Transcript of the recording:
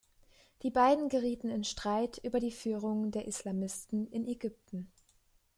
Die beiden gerieten in Streit über die Führung der Islamisten in Ägypten.